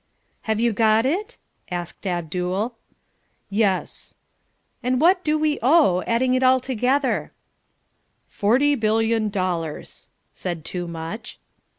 "Have you got it?" asked Abdul. "Yes." "And what do we owe, adding it all together?" "Forty billion dollars," said Toomuch.